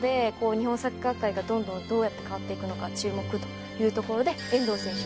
日本サッカー界がどんどんどうやって変わっていくのか注目というところで遠藤選手